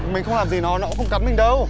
mình không làm gì nó nó cũng cắn mình đâu